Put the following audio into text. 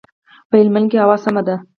په هلمند کښي هوا سمه ده.